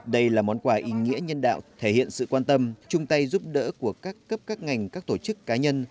đây là món quà ý nghĩa nhân đạo thể hiện sự quan tâm chung tay giúp đỡ của các cấp các ngành các tổ chức cá nhân